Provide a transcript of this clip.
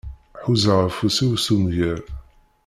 Ḥuzaɣ afus-iw s umger.